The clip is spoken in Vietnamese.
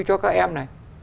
cho các em này